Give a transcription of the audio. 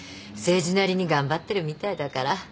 誠治なりに頑張ってるみたいだから。